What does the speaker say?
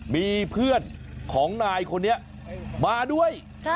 มีเพื่อนของนายคนนี้มาด้วย